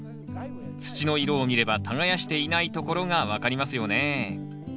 土の色を見れば耕していないところが分かりますよね